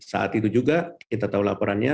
saat itu juga kita tahu laporannya